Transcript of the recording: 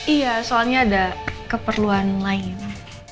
iya soalnya ada keperluan lainnya